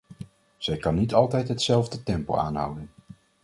Zij kan niet altijd hetzelfde tempo aanhouden.